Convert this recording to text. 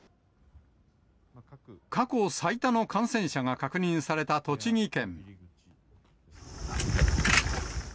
過去最多の感染者が確認された栃木県。